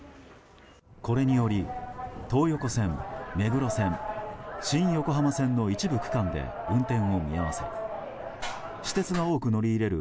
これにより東横線、目黒線新横浜線の一部区間で運転を見合わせ私鉄が多く乗り入れる